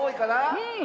うん。